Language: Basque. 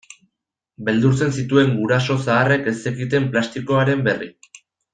Beldurtzen zituen guraso zaharrek ez zekiten plastikoaren berri.